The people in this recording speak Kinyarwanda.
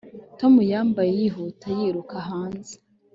tom yambaye yihuta yiruka hanze